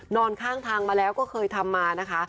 นอนข้างทางมาแล้วก็เคยทำมานะคะ